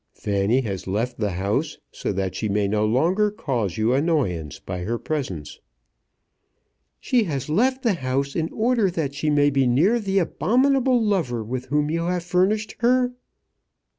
"Fanny has left the house, so that she may no longer cause you annoyance by her presence." "She has left the house in order that she may be near the abominable lover with whom you have furnished her."